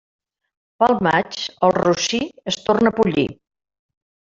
Pel maig, el rossí es torna pollí.